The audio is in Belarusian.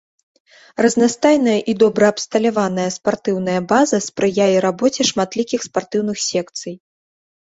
Разнастайная і добра абсталяваная спартыўная база спрыяе рабоце шматлікіх спартыўных секцый.